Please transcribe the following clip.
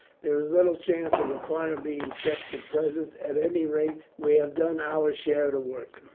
There is little chance of the fire being checked at present. At any rate, we have done our share of work."